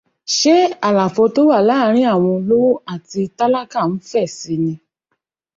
Ṣé àlàfo tó wà láàrin àwọn olówó àti tálákà n fẹ̀ si ni?